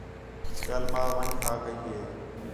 ٻِیال ماں ون٘ڄ ہا کَئی ہِے